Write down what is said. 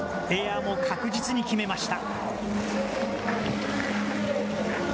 エアも確実に決めました。